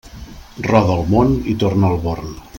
Roda el món i torna al Born.